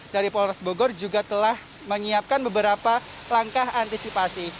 dari polres bogor juga telah menyiapkan beberapa langkah antisipasi